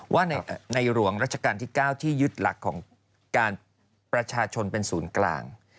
ว่าในหลวงรัชกาลที่๙ที่ยึดหลักของการประชาชนเป็นศูนย์กลาง